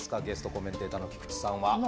ゲストコメンテーターの菊地さんは。